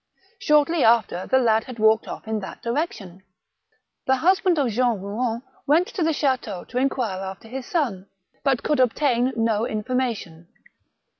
Shortly after the lad had walked off in that direction. The husband of Jeanne Kouen went to the chateau to in quire after his son, but could obtain no information.